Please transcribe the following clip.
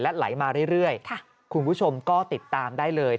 ไหลมาเรื่อยคุณผู้ชมก็ติดตามได้เลย